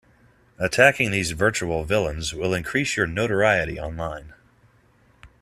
Attacking these virtual villains will increase your notoriety online.